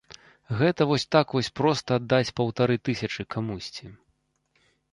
Гэта вось так вось проста аддаць паўтары тысячы камусьці.